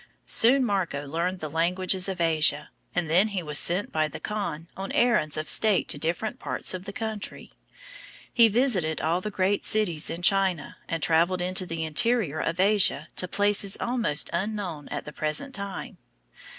Soon Marco learned the languages of Asia, and then he was sent by the khan on errands of state to different parts of the country. He visited all the great cities in China, and traveled into the interior of Asia to places almost unknown at the present time.